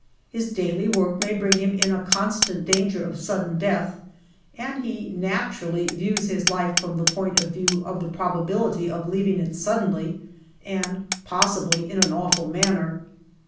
His daily work may bring him in a constant danger of sudden death, and he naturally views his life from the point of view of the probability of leaving it suddenly, and possibly in an awful manner.